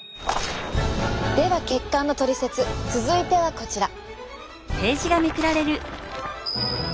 では血管のトリセツ続いてはこちら。